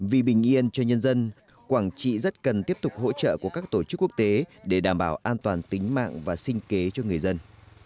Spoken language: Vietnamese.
vì bình yên cho nhân dân quảng trị rất cần tiếp tục hỗ trợ của các tổ chức quốc tế để đảm bảo an toàn tính mạng và sinh kế cho người dân